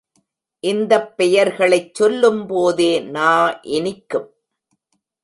இந்தப் பெயர்களைச் சொல்லும்போதே நா இனிக்கும்.